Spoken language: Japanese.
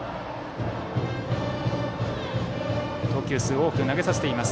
投球数を多く投げさせています。